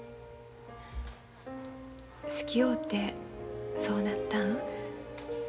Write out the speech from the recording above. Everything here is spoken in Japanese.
好き合うてそうなったん？